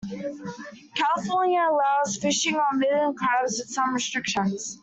California allows fishing for mitten crabs with some restrictions.